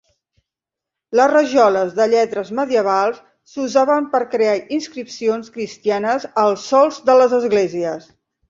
Les rajoles de lletres medievals s'usaven per crear inscripcions cristianes als sòls de les esglésies.